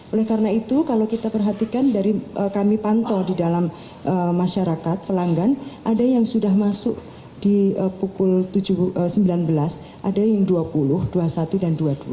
oleh karena itu kalau kita perhatikan dari kami pantau di dalam masyarakat pelanggan ada yang sudah masuk di pukul sembilan belas ada yang dua puluh dua puluh satu dan dua puluh dua